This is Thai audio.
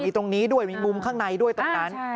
ตรงนี้ด้วยมีมุมข้างในด้วยตรงนั้น